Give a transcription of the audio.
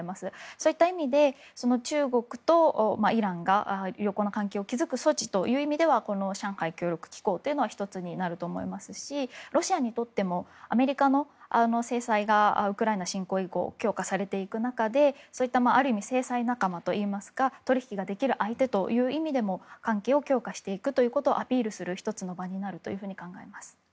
そういった意味で中国とイランが横の関係を築く意味ではこの上海協力機構は１つになると思いますしロシアにとってもアメリカの制裁がウクライナ侵攻以降強化されていく中である意味、制裁仲間といいますか取引ができる相手という意味でも関係を強化していくことをアピールするものが１つあると思います。